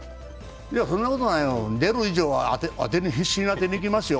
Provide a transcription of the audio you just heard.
いや、そんなことないよ出る以上は必死に当てにいきますよ。